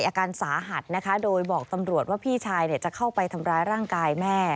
อาการสาหัสนะคะโดยบอกตำรวจว่าพี่ชายจะเข้าไปทำร้ายร่างกายแม่